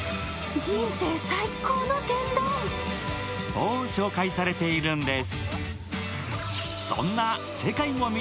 と紹介されているんです。